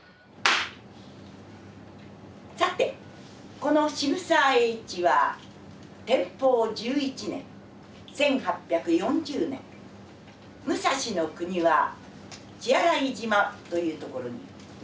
さてこの渋沢栄一は天保１１年１８４０年武蔵国は血洗島というところに生まれました。